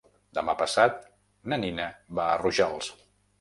Demà passat na Nina va a Rojals.